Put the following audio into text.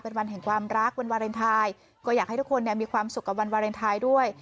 เป็นวันแห่งความรักวันวาเลนไทยก็อยากให้ทุกคนมีความสุขกับวันวาเลนไทยด้วย